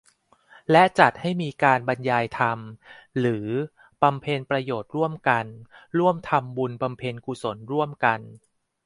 และจัดให้มีการบรรยายธรรม หรือบำเพ็ญประโยชน์ร่วมกัน ร่วมทำบุญ บำเพ็ญกุศลร่วมกัน